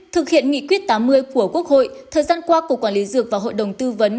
thực hiện nghị quyết tám mươi của quốc hội thời gian qua cục quản lý dược và hội đồng tư vấn